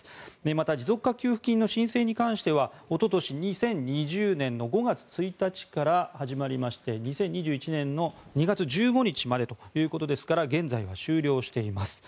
また持続化給付金の申請に関してはおととし２０２０年の５月１日から始まりまして２０２１年２月１５日までということですから現在は終了しています。